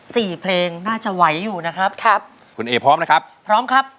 เพลงน่าจะไหวอยู่นะครับครับคุณเอพร้อมนะครับพร้อมครับ